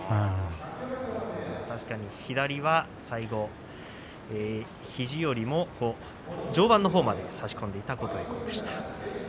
確かに左は最後肘よりも上腕のほうまで差し込んでいった琴恵光でした。